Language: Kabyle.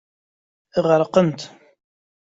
Ɣerqent.